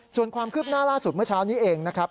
ส่วนความคืบหน้าล่าสุดเมื่อเช้านี้เองนะครับ